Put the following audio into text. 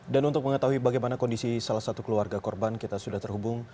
dan untuk mengetahui bagaimana kondisi salah satu keluarga korban kita sudah terhubung